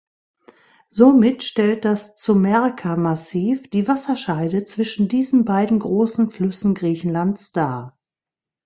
Somit stellt das Tzoumerka-Massiv die Wasserscheide zwischen diesen beiden großen Flüssen Griechenlands dar.